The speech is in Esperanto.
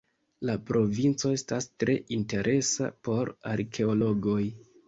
La provinco estas tre interesa por arkeologoj.